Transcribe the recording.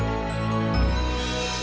aku mau makan di sini